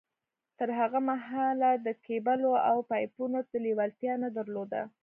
تر هغه مهاله ده کېبلو او پایپونو ته لېوالتیا نه در لوده